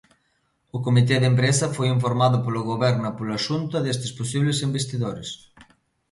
O comité de empresa foi informado polo Goberno e pola Xunta destes posibles investidores.